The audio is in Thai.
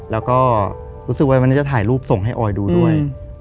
แล้วก็รู้สึกว่าวันนี้จะถ่ายรูปส่งให้ออยดูด้วย